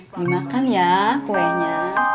dimakan ya kuenya